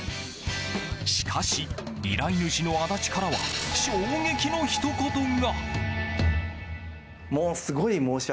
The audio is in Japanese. しかし依頼主の足立からは衝撃のひと言が。